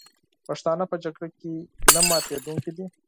پښتانه په جګړه کې نه ماتېدونکي دي.